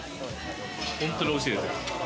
本当においしいです。